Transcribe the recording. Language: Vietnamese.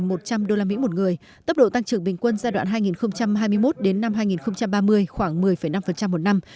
một trăm linh usd một người tốc độ tăng trưởng bình quân giai đoạn hai nghìn hai mươi một đến năm hai nghìn ba mươi khoảng một mươi năm một năm